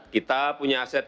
kita punya aset